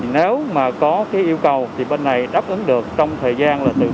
nếu mà có cái yêu cầu thì bên này đáp ứng được trong thời gian là